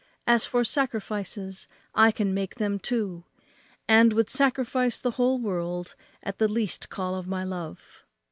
As for sacrifices, I can make them too, and would sacrifice the whole world at the least call of my love."